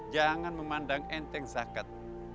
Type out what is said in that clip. jangan memandang enteng zakat